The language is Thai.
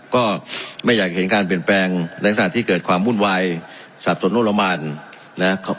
ก็ไม่อยากเห็นการเปลี่ยนแปลงในขณะที่เกิดความวุ่นวายสับสนโรมานนะครับ